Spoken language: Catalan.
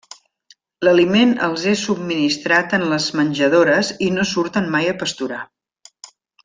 L'aliment els és subministrat en les menjadores i no surten mai a pasturar.